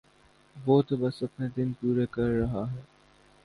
وہ تو بس اپنے دن پورے کر رہا ہے